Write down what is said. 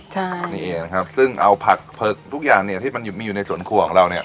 ใช่นี่เองนะครับซึ่งเอาผักเผือกทุกอย่างเนี่ยที่มันมีอยู่ในสวนครัวของเราเนี่ย